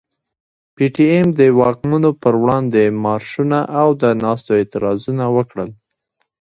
پي ټي ايم د واکمنو پر وړاندي مارشونه او د ناستو اعتراضونه وکړل.